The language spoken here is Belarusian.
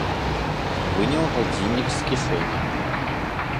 Выняў гадзіннік з кішэні.